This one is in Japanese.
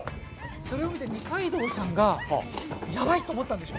それを見て二階堂さんがヤバいと思ったんでしょ？